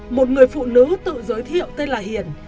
một người phụ nữ tự giới thiệu tên là hiền